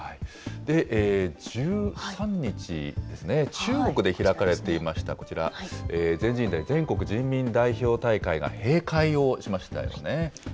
１３日ですね、中国で開かれていました、こちら、全人代・全国人民代表大会が閉会をしましたよね。